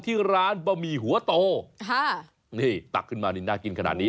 ที่ร้านบะหมี่หัวโตค่ะนี่ตักขึ้นมานี่น่ากินขนาดนี้